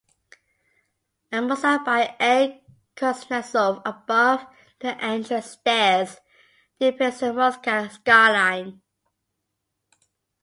A mosaic by A. Kuznetsov above the entrance stairs depicts the Moscow skyline.